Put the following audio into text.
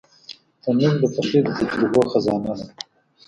تنور د پخلي د تجربو خزانه ده